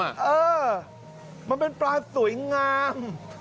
เออมันเป็นปลาสวยงาม